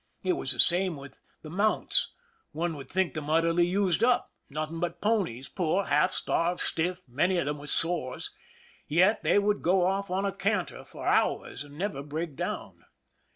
It was the same with the mounts. One would think them utterly used up— nothing but ponies, poor, half starved, stiff, many of them with sores ; yet they would go off on a canter for hours, and never break down.